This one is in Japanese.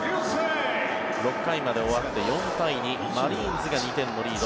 ６回まで終わって４対２マリーンズが２点のリード。